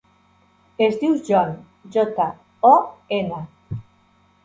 Es diu Jon: jota, o, ena.